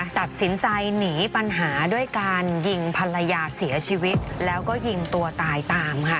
ตัดสินใจหนีปัญหาด้วยการยิงภรรยาเสียชีวิตแล้วก็ยิงตัวตายตามค่ะ